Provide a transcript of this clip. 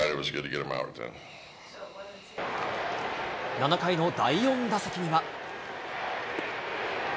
７回の第４打席には。